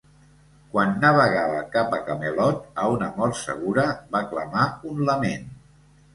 Quan navegava cap a Camelot a una mort segura, va clamar un lament.